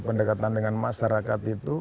pendekatan dengan masyarakat itu